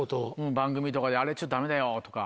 番組とかで「あれダメだよ」とか。